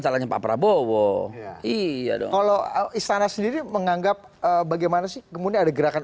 salahnya pak prabowo iya kalau istana sendiri menganggap bagaimana sih kemudian ada gerakan